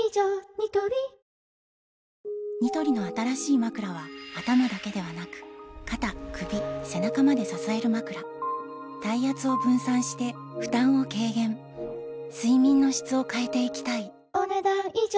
ニトリニトリの新しいまくらは頭だけではなく肩・首・背中まで支えるまくら体圧を分散して負担を軽減睡眠の質を変えていきたいお、ねだん以上。